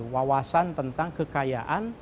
wawasan tentang kekayaan